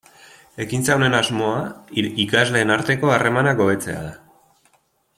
Ekintza honen asmoa ikasleen arteko harremanak hobetzea da.